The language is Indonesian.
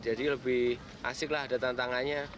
jadi asik lah ada tantangannya